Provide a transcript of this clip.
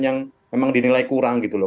yang memang dinilai kurang gitu loh